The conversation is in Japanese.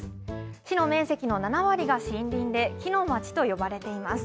市の面積の７割が森林で、木のまちと呼ばれています。